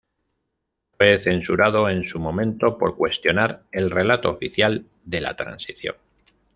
Fue censurado en su momento por cuestionar el relato oficial de la Transición.